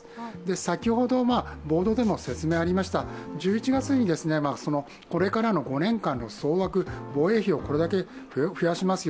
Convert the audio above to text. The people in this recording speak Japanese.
先ほど、冒頭でも説明ありました１１月にこれからの５年間の総額防衛費をこれだけ増やしますよ